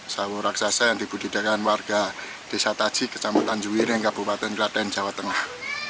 sawo raksasa yang dibudidakan warga desa taji kecamatan juwiring kabupaten kelaten jawa tengah